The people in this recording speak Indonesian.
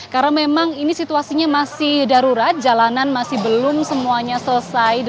karena memang ini situasinya masih darurat jalanan masih belum semuanya selesai